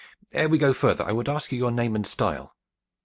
Ere we go further, I would ask your name and style?"